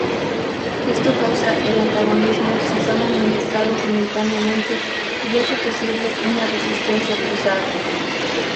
Esto causa el antagonismo si son administrados simultáneamente y hace posible una resistencia cruzada.